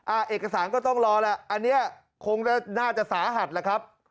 เอกสารก็ต้องรอแหละอันนี้คงน่าจะสาหัสแหละครับ